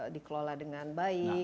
dikelola dengan baik